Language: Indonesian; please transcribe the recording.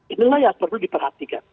inilah yang perlu diperhatikan